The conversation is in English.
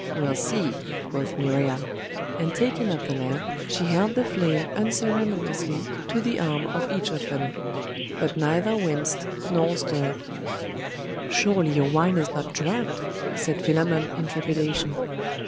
'We'll see,' quoth Miriam; and taking up the lamp, she held the flame unceremoniously to the arm of each of them; but neither winced nor stirred. 'Surely your wine is not drugged?' said Philammon, in trepidation.